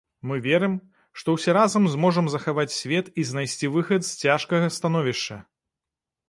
Мы верым, што ўсе разам зможам захаваць свет і знайсці выхад з цяжкага становішча!